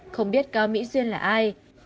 không biết cao mỹ duyên là ai